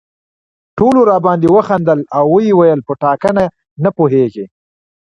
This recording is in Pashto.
ټولو راباندې وخندل او ویې ویل په ټاکنه نه پوهېږي.